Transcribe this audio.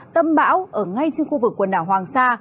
tâm bão ở ngay trên khu vực quần đảo hoàng sa